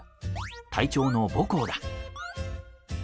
隊長の母校だ。